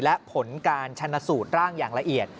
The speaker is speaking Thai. และผลการชนะสูตรร่างอย่างละเอียด